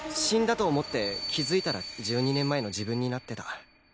「死んだと思って気付いたら１２年前の自分になってた」